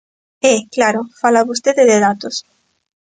E, claro, fala vostede de datos.